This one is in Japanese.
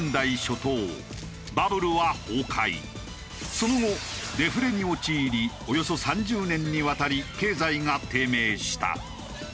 その後デフレに陥りおよそ３０年にわたり経済が低迷した。